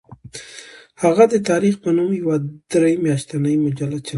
هغه د تاریخ په نوم یوه درې میاشتنۍ مجله چلوله.